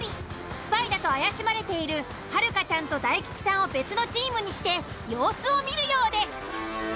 スパイだと怪しまれているはるかちゃんと大吉さんを別のチームにして様子を見るようです。